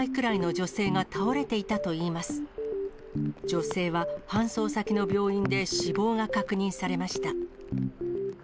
女性は搬送先の病院で死亡が確認されました。